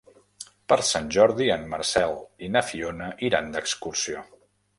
Per Sant Jordi en Marcel i na Fiona iran d'excursió.